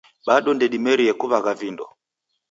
Bado ndedimerie kuwagha vindo